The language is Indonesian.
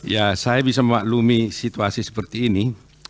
ya saya bisa memaklumi situasi seperti ini